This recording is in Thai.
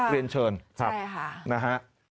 เรียนเชิญครับนะฮะใช่ค่ะ